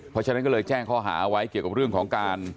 เพราะฉะนั้นก็เลยแจ้งข้อหาไว้เกี่ยวกับเรื่องของการ